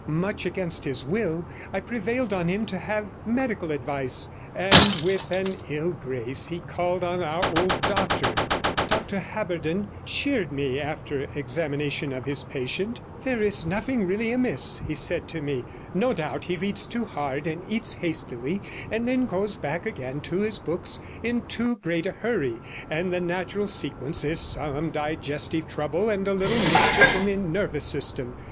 Much against his will, I prevailed on him to have medical advice, and with an ill grace he called in our old doctor. Dr Haberden cheered me after examination of his patient. There is nothing really much amiss,' he said to me. 'No doubt he reads too hard and eats hastily, and then goes back again to his books in too great a hurry, and the natural sequence is some digestive trouble and a little mischief in the nervous system.